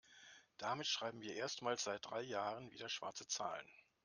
Damit schreiben wir erstmals seit drei Jahren wieder schwarze Zahlen.